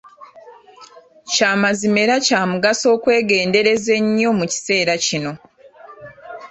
Kya mazima era kya mugaso okwegendereza ennyo mu kiseera kino.